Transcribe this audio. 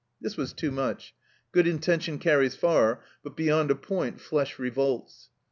This was too much ; good intention carries far, but beyond a point flesh revolts.